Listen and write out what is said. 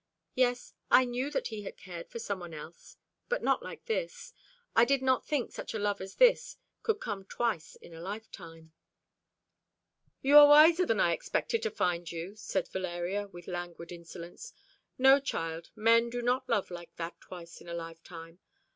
Yes, I knew that he had cared for some one else, but not like this. I did not think such a love as this could come twice in a lifetime." "You are wiser than I expected to find you," said Valeria, with languid insolence. "No, child, men do not love like that twice in a lifetime.